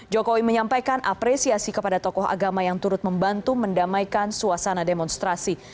jokowi menyampaikan apresiasi kepada tokoh agama yang turut membantu mendamaikan suasana demonstrasi